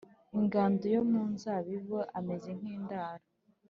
ingando yo mu nzabibu, ameze nk’indaro